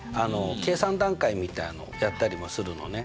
計算段階みたいのをやったりもするのね。